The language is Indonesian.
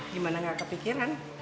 gimana gak kepikiran